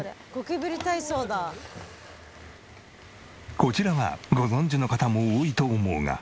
こちらはご存じの方も多いと思うが。